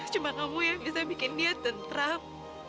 cuma kamu yang bisa bikin dia tentram